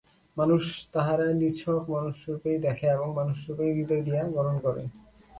মানুষকে তাহারা নিছক মানুষরূপেই দেখে এবং মানুষরূপেই হৃদয় দিয়া বরণ করে।